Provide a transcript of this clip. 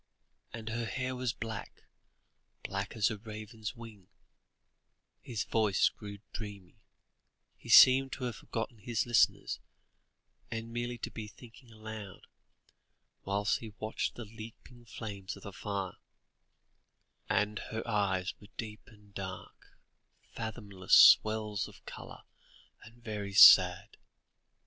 And her hair was black black as a raven's wing" his voice grew dreamy, he seemed to have forgotten his listeners, and merely to be thinking aloud, whilst he watched the leaping flames of the fire "and her eyes were deep and dark, fathomless wells of colour, and very sad."